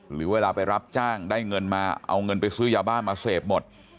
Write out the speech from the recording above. หรือเวลาไปรับจ้างได้เงินมาเอาเงินไปซื้อยาบ้ามาเสพหมด